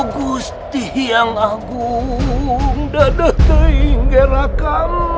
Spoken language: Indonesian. bungkak yang agung dan berdiri